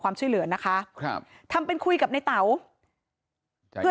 มีชายแปลกหน้า๓คนผ่านมาทำทีเป็นช่วยค่างทาง